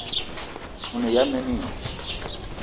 O ne ya mene i?